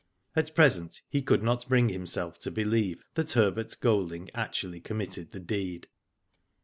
At present he could not bring himself to believe that Herbert Golding actually committed the deed.